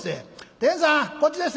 天さんこっちでっせ。